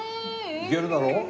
いけるだろ？